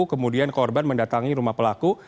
kemudian korban mendatangi rumah pelaku